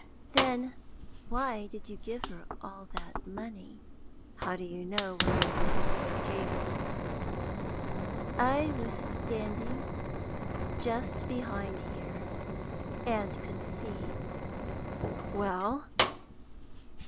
"Then why did you give her all that money?" "How do you know what I gave her?" "I was standing just behind here, and could see." "Well?"